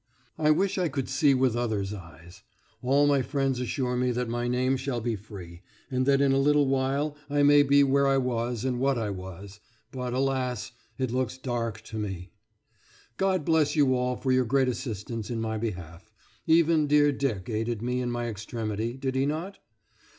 I wish I could see with others' eyes; all my friends assure me that my name shall be free, and that in a little while I may be where I was and what I was; but, alas! it looks dark to me. God bless you all for your great assistance in my behalf; even dear Dick aided me in my extremity, did he not?